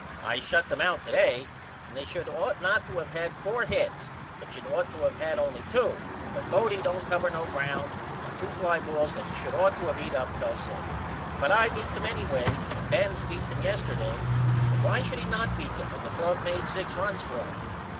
I shut them out to day and they should ought not to of had four hits but should ought to of had only 2 but Bodie don't cover no ground and 2 fly balls that he should ought to of eat up fell safe. But I beat them anyway and Benz beat them yesterday but why should he not beat them when the club made 6 runs for him?